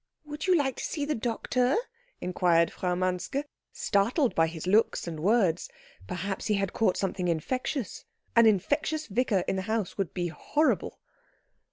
"Would you like to see the doctor?" inquired Frau Manske, startled by his looks and words; perhaps he had caught something infectious; an infectious vicar in the house would be horrible.